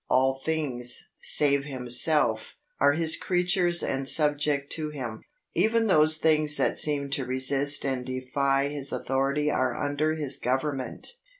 All things, save Himself, are His creatures and subject to Him. Even those things that seem to resist and defy His authority are under His government.